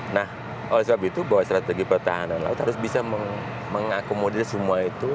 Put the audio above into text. nah oleh sebab itu bahwa strategi pertahanan laut harus bisa mengakomodir semua itu